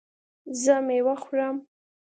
زه میوه خورم